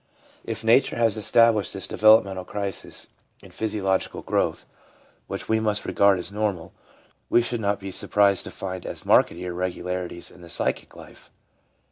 If nature has established this developmental crisis in physiological growth, which we must regard as normal, we should not be surprised to find as marked irregularities in the psychic life.